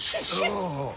ああ。